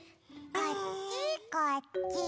こっちこっち。